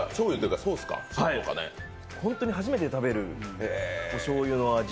本当に初めて食べるおしょうゆの味。